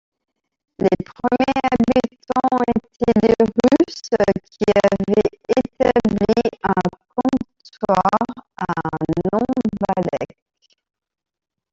Les premiers habitants ont été les Russes qui avaient établi un comptoir à Nanwalek.